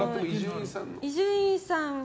伊集院さんの。